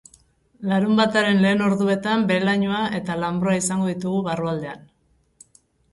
Larunbataren lehen orduetan behe-lainoa eta lanbroa izango ditugu barrualdean.